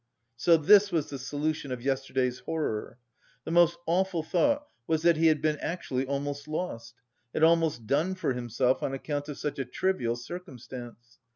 So this was the solution of yesterday's horror. The most awful thought was that he had been actually almost lost, had almost done for himself on account of such a trivial circumstance.